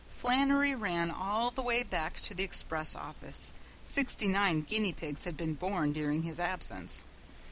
Flannery ran all the way back to the express office. Sixty nine guinea pigs had been born during his absence.